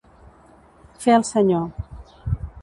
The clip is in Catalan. Fer el senyor.